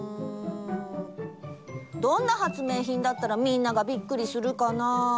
どんな発明品だったらみんながびっくりするかな。